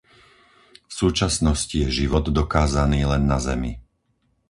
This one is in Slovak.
V súčasnosti je život dokázaný len na Zemi.